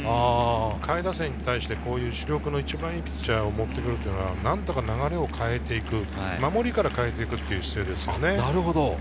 下位打線に対して主力の一番いいピッチャーを持ってくるのは、何とか流れを変えていく、守りから変えていくという姿勢ですね。